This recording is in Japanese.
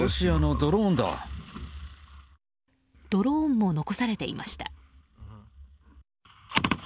ドローンも残されていました。